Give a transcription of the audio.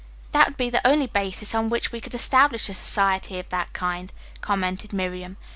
"That would be the only basis on which we could establish a society of that kind," commented Miriam.